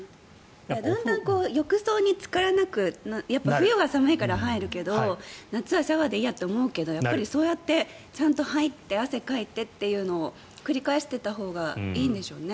だんだん浴槽につからなく冬は寒いから入るけど夏はシャワーでいいやって思うけどやっぱりそうやってちゃんと入って汗をかいてというのを繰り返していったほうがいいんでしょうね。